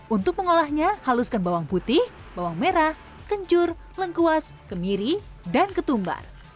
untuk mengolahnya haluskan bawang putih bawang merah kencur lengkuas kemiri dan ketumbar